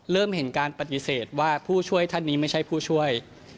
เริ่มเห็นการปฏิเสธว่าผู้ช่วยท่านนี้ไม่ใช่ผู้ช่วย